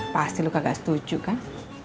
pasti lu kagak setuju kan